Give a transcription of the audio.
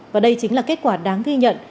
và đây chính là kết quả đáng ghi nhận